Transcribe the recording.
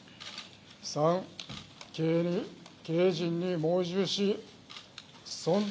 ３、経営陣に盲従しそん